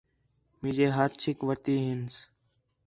مینجے ہتھ چِھک وٹھتی ہنس